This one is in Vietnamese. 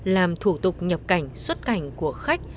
làm thủ tục nhập cảnh xuất cảnh của khách